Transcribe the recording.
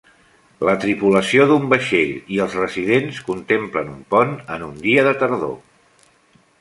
La tripulació d'un vaixell i els residents contemplant un pont en un dia de tardor.